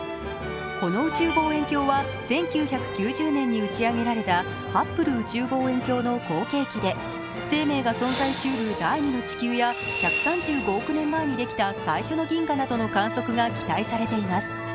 この宇宙望遠鏡は１９９０年に打ち上げられたハッブル宇宙望遠鏡の後継機で、生命が存在しうる第２の地球や１３５億年前にできた最初の銀河などの観測が期待されています。